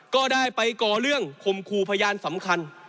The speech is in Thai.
ก็ได้ไปก่อเรื่องคมคู่พยานสำคัญ